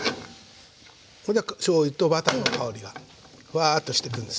これでしょうゆとバターの香りがフワーッとしてくるんです。